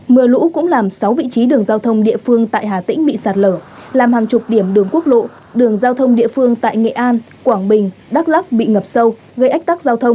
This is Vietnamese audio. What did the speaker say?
mưa lũ cũng làm sáu vị trí đường giao thông địa phương tại hà tĩnh bị sạt lở làm hàng chục điểm đường quốc lộ đường giao thông địa phương tại nghệ an quảng bình đắk lắc bị ngập sâu gây ách tắc giao thông